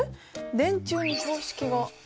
電柱に標識が。